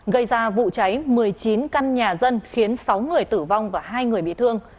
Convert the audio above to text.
gây ra vụ cháy một mươi chín căn nhà dân khiến sáu người tử vong và hai người bị thương